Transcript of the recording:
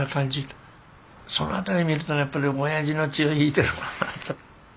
そのあたり見るとやっぱり親父の血を引いてるなと。